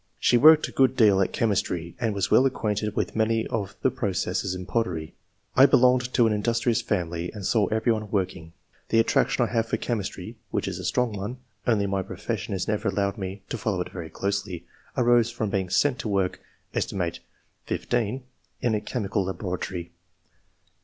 She worked a good deal at chemistry, and was well acquainted with many of the processes in pottery. I belonged to an industrious family and saw everyone work ing. The attraction T have for chemistry (which is a strong one, only my profession has never . III.] ORIGIN OF TASTE FOR SCIENCE. 175 allowed me to follow it very closely) arose from being sent to work, set. 15, in a chemical laboratory."